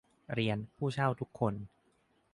เรียน ผู้เช่าทุกท่าน